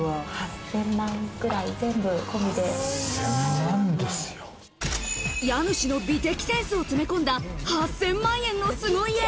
８０００万くらい、全部込み家主の美的センスを詰め込んだ８０００万円の凄家。